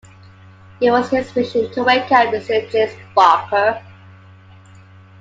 It was his mission to wake up Mr. James Barker.